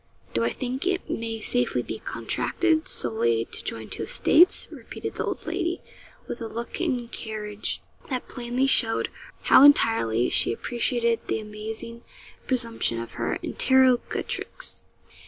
'Do I think it may safely be contracted, solely to join two estates?' repeated the old lady, with a look and carriage that plainly showed how entirely she appreciated the amazing presumption of her interrogatrix.